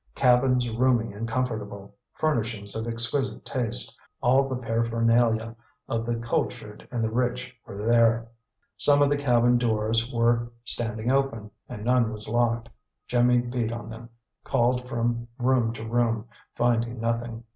Cabins roomy and comfortable, furnishings of exquisite taste, all the paraphernalia of the cultured and the rich were there. Some of the cabin doors were standing open, and none was locked. Jimmy beat on them, called from room to room, finding nothing.